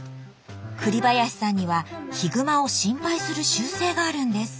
栗林さんにはヒグマを心配する習性があるんです